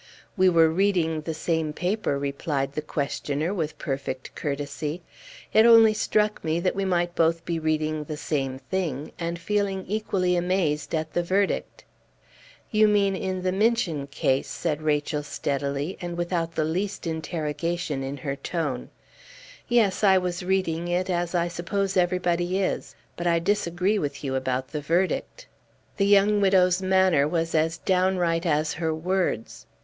"We were reading the same paper," replied the questioner, with perfect courtesy; "it only struck me that we might both be reading the same thing, and feeling equally amazed at the verdict." "You mean in the Minchin case," said Rachel steadily, and without the least interrogation in her tone. "Yes, I was reading it, as I suppose everybody is. But I disagree with you about the verdict." The young widow's manner was as downright as her words.